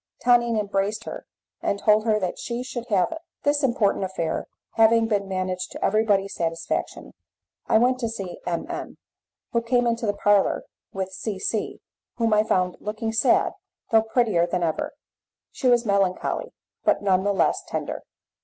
Tonine embraced her, and told her that she should have it. This important affair having been managed to everybody's satisfaction, I went to see M M , who came into the parlour with C C , whom I found looking sad, though prettier than ever. She was melancholy, but none the less tender.